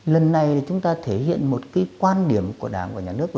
lần này chúng ta thể hiện một cái quan điểm của đảng và nhà nước